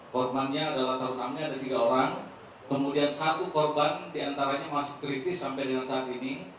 korbannya adalah tautannya ada tiga orang kemudian satu korban diantaranya masih kritis sampai dengan saat ini